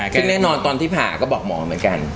ซึ่งแน่นอนตอนที่ผ่าก็บอกหมอเหมือนกัน